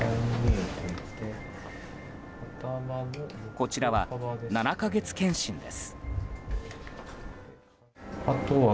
こちらは７か月健診です。